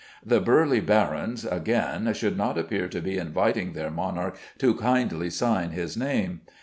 The burly barons, again, should not appear to be inviting their monarch to kindly sign his name.